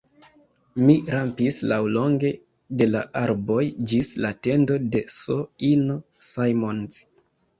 Mi rampis laŭlonge de la arboj ĝis la tendo de S-ino Simons.